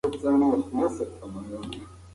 پوهه د ژوند په هر پړاو کې پکار ده.